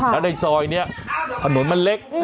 แล้วในซอยนี้ถนนมันเล็ก